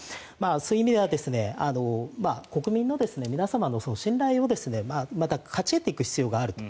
そういう意味では国民の皆様の信頼をまた勝ち得ていく必要があると。